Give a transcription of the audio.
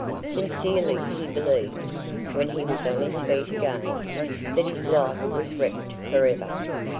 Sincerely he believed, when he was on his feet again, that his life was wrecked for ever.